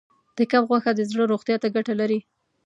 د کب غوښه د زړه روغتیا ته ګټه لري.